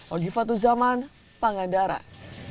ogifat tuzaman pangandaran